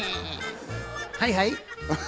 はいはい？